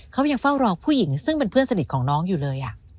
เขายังเฝ้ารอผู้หญิงซึ่งเป็นเพื่อนสนิทของน้องอยู่เลย